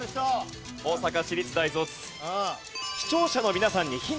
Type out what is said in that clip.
大阪市立大卒。